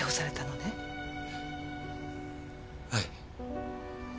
はい。